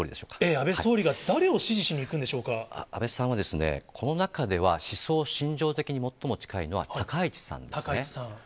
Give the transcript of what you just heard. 安倍総理が誰を支持しにいく安倍さんは、この中では、思想信条的には、最も近いのは高市さんですね。